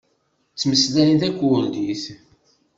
Ttmeslayen takurdit.